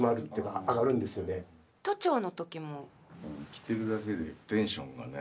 着てるだけでテンションがね。